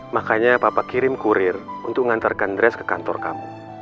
makanya papa kirim kurir untuk mengantarkan dres ke kantor kamu